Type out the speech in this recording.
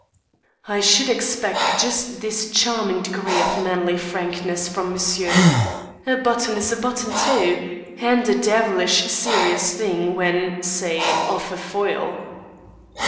"I should expect just this charming degree of manly frankness from monsieur. A button is a button, too, and a devilish serious thing when, say, off a foil."